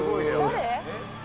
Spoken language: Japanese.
誰？